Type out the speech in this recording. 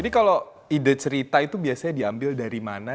ini kalau ide cerita itu biasanya diambil dari mana